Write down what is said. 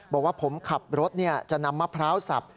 บอกว่าผมขับรถจะนำมะพร้าวสับ